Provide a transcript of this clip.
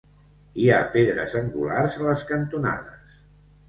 Hi ha pedres angulars a les cantonades.